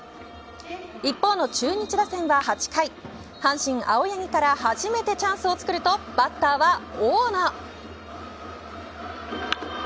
一方の中日打線は８回、阪神青柳から初めてチャンスをつくるとバッターは大野。